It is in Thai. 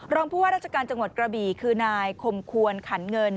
รองผู้ว่าราชการจังหวัดกระบี่คือนายคมควรขันเงิน